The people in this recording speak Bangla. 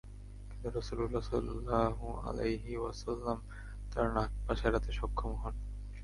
কিন্তু রাসূল সাল্লাল্লাহু আলাইহি ওয়াসাল্লাম তার নাগপাশ এড়াতে সক্ষম হন।